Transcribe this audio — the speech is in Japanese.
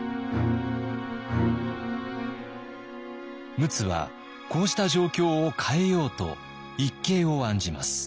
陸奥はこうした状況を変えようと一計を案じます。